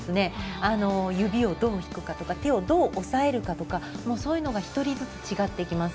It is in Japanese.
指をどう引くかとか手をどう押さえるとかそういうのが１人ずつ違ってきます。